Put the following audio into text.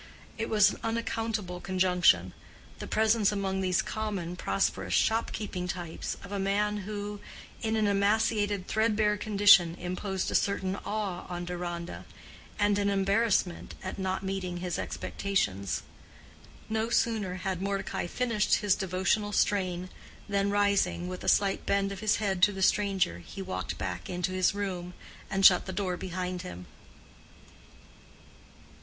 It was an unaccountable conjunction—the presence among these common, prosperous, shopkeeping types, of a man who, in an emaciated threadbare condition, imposed a certain awe on Deronda, and an embarrassment at not meeting his expectations. No sooner had Mordecai finished his devotional strain, than rising, with a slight bend of his head to the stranger, he walked back into his room, and shut the door behind him.